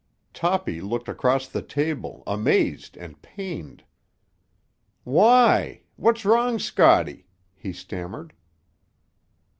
Toppy looked across the table, amazed and pained. "Why—what's wrong, Scotty?" he stammered.